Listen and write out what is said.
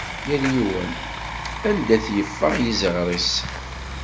Yal yiwen anda it-yeffeɣ yiziɣer-is.